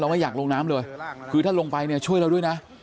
ไม่อยากลงน้ำเลยคือถ้าลงไปเนี่ยช่วยเราด้วยนะ